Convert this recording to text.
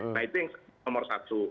nah itu yang nomor satu